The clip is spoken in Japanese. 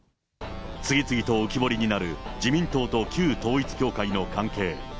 次々と浮き彫りになる自民党と旧統一教会の関係。